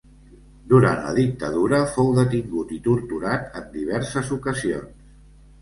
Durant la dictadura fou detingut i torturat en diverses ocasions.